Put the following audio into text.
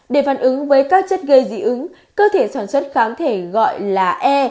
để phản ứng với các chất gây dị ứng cơ thể sản xuất kháng thể gọi là e